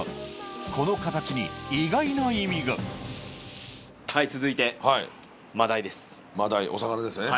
この形に意外な意味が真鯛お魚ですよね